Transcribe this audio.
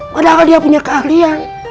padahal dia punya keahlian